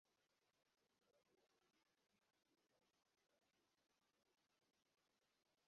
Abagabo babiri barimo kuzamuka mu rutare ku isoko